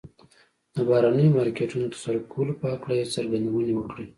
د بهرنيو مارکيټونو د تصرف کولو په هکله يې څرګندونې وکړې.